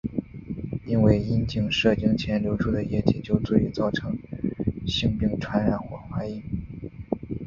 因为阴茎射精前流出的液体就足以造成性病传染或怀孕。